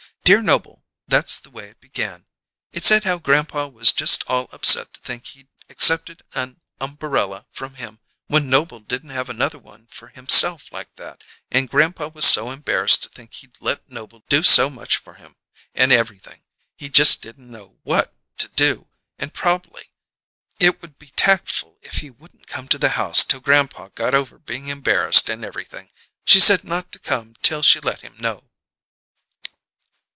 "Dear Noble'; that's the way it began. It said how grandpa was just all upset to think he'd accepted an umberella from him when Noble didn't have another one for himself like that, and grandpa was so embarrassed to think he'd let Noble do so much for him, and everything, he just didn't know what to do, and proba'ly it would be tactful if he wouldn't come to the house till grandpa got over being embarrassed and everything. She said not to come till she let him know."